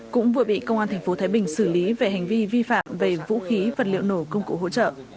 cũng vừa bị công an tp thái bình xử lý về hành vi vi phạm về vũ khí vật liệu nổ công cụ hỗ trợ